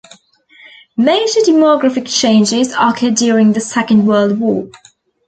Major demographic changes occurred during the Second World War.